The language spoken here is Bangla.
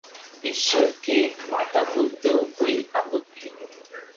ঈশ্বরকে মাতা বলাতেও ঐ আপত্তি।